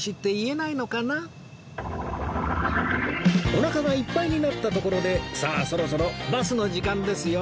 おなかがいっぱいになったところでさあそろそろバスの時間ですよ